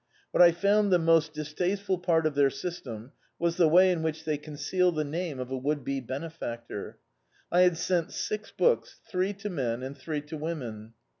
What I found the most distasteful part of their system was the way in which they conceal the name of a would be bene factor. I had sent six books, three to moi and three to women.